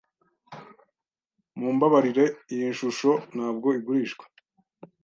Mumbabarire, iyi shusho ntabwo igurishwa.